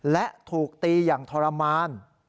และถูกตีอย่างทรมาน